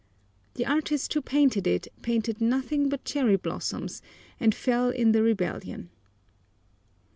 The artist who painted it painted nothing but cherry blossoms, and fell in the rebellion.